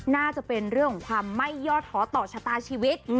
น่าจะเป็นเรื่องของความไม่ย่อท้อต่อชะตาชีวิต